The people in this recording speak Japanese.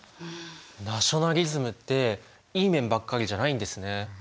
ナショナリズムっていい面ばっかりじゃないんですね。